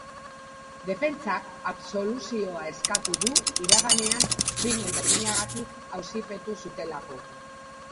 Defentsak absoluzioa eskatu du iraganean krimen berdinagatik auzipetu zutelako.